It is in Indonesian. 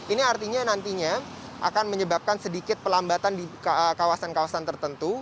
ini artinya nantinya akan menyebabkan sedikit pelambatan di kawasan kawasan tertentu